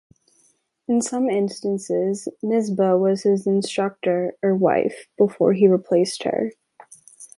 In some instances, Nisaba was his instructor or wife before he replaced her.